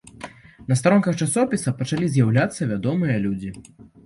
На старонках часопіса пачалі з'яўляцца вядомыя людзі.